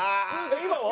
今は？